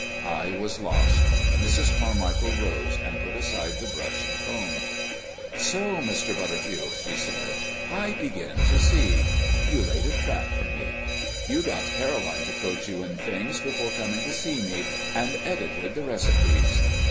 I was lost. Mrs. Carmichael rose, and put aside the brush and comb. "So, Mr. Butterfield," she said. "I begin to see. You laid a trap for me. You got Caroline to coach you in things before coming to see me, and edited the recipes!